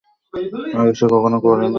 আগে সে কখনো পরে নি।